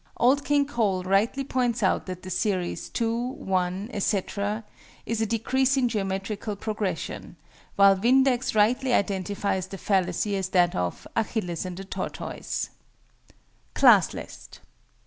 OLD KING COLE rightly points out that the series, 2, 1, &c., is a decreasing Geometrical Progression: while VINDEX rightly identifies the fallacy as that of "Achilles and the Tortoise." CLASS LIST.